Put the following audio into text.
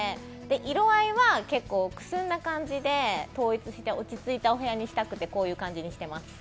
色合いはくすんだ感じで統一して落ち着いたお部屋にしたくてこういう感じにしています。